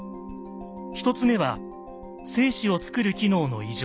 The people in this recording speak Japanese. １つ目は精子をつくる機能の異常。